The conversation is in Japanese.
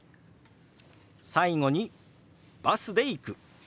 最後に「バスで行く」。